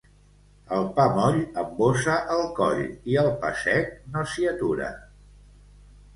El pa moll embossa el coll i el pa sec no s'hi atura.